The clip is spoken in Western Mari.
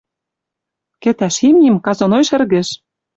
Кӹтӓш имним — казоной шӹргӹш!